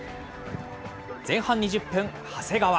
前半２０分、長谷川。